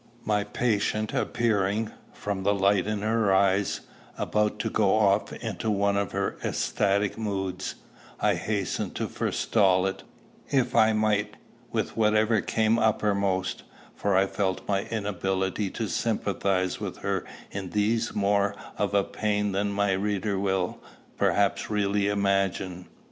My patient appearing, from the light in her eyes, about to go off into one of her ecstatic moods, I hastened to forestall it, if I might, with whatever came uppermost; for I felt my inability to sympathize with her in these more of a pain than my reader will, perhaps, readily imagine.